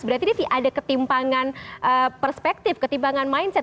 berarti ini ada ketimpangan perspektif ketimbangan mindset